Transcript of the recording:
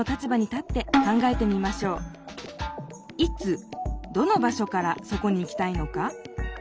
いつどの場所からそこに行きたいのか？